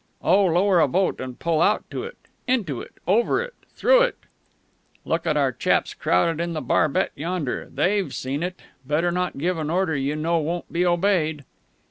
_" "Oh, lower a boat and pull out to it into it over it through it " "Look at our chaps crowded on the barbette yonder. They've seen it. Better not give an order you know won't be obeyed...."